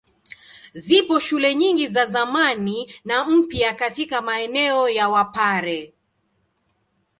Zipo shule nyingi za zamani na mpya katika maeneo ya Wapare.